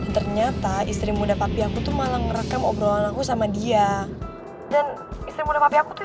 ternyata istri muda papi aku tuh malah ngerekam obrolan aku sama dia dan istri muda papi aku tuh